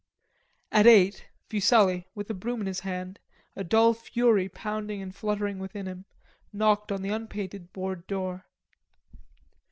At eight, Fuselli, with a broom in his hand, feeling dull fury pounding and fluttering within him, knocked on the unpainted board door.